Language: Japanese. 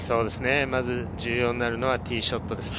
まず重要になるのはティーショットですね。